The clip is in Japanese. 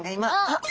あっ！